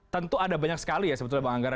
tentu ada banyak sekali ya sebetulnya bang anggaran